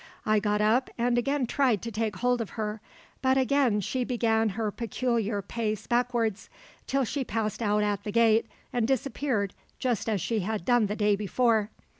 I got up and again tried to take hold of her, but again she began her peculiar pace backwards, till she passed out at the gate and disappeared just as she had done the day before.